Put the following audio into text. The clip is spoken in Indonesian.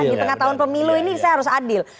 di tengah tahun pemilu ini saya harus adil